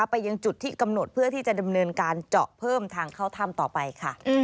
ไปยังจุดที่กำหนดเพื่อที่จะดำเนินการเจาะเพิ่มทางเข้าถ้ำต่อไปค่ะ